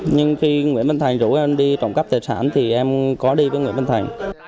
nhưng khi nguyễn minh thành rủ em đi trộm cắp tài sản thì em có đi với nguyễn minh thành